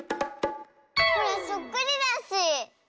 ほらそっくりだし！